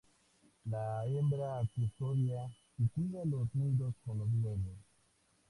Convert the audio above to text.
La hembra custodia y cuida los nidos con los huevos.